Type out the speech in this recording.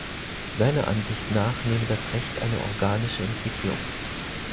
Seiner Ansicht nach nehme das Recht eine organische Entwicklung.